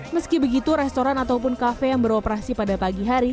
meski begitu restoran ataupun kafe yang beroperasi pada pagi hari